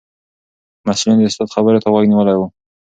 محصلینو د استاد خبرو ته غوږ نیولی و.